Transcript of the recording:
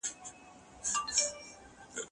زه اوږده وخت ليکلي پاڼي ترتيب کوم؟